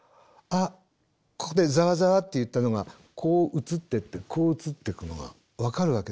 ここでザワザワっていったのがこう移ってってこう移っていくのが分かるわけですね。